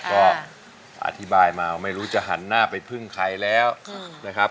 ก็อธิบายมาไม่รู้จะหันหน้าไปพึ่งใครแล้วนะครับ